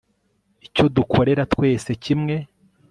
icyo dukorera twese kimwe